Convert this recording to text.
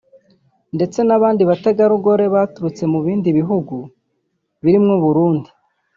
ndetse n’abandi bategarugori baturutse mu bindi bihugu birimo u Burundi